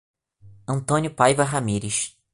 Antônio Paiva Ramires